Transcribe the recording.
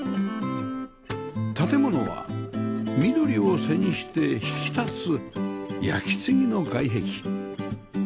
建物は緑を背にして引き立つ焼き杉の外壁